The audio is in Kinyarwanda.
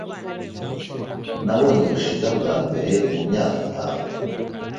Nabonye Yoshida bwa mbere mu myaka itanu.